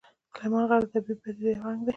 سلیمان غر د طبیعي پدیدو یو رنګ دی.